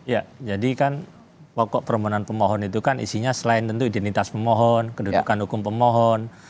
ya jadi kan pokok permohonan pemohon itu kan isinya selain tentu identitas pemohon kedudukan hukum pemohon